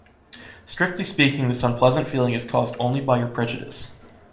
Strictly speaking this unpleasant feeling is caused only by your prejudice.